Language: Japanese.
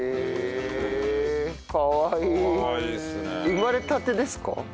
生まれたてですか？